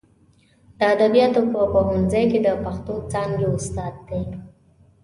د ادبیاتو په پوهنځي کې د پښتو څانګې استاد دی.